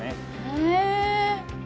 へえ！